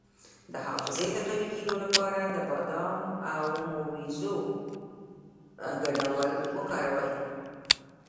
د حافظې د قوي کیدو لپاره د بادام او مویزو ګډول وکاروئ